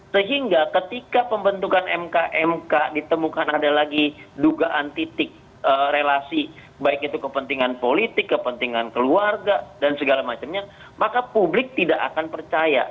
sehingga ketika pembentukan mk mk ditemukan ada lagi dugaan titik relasi baik itu kepentingan politik kepentingan keluarga dan segala macamnya maka publik tidak akan percaya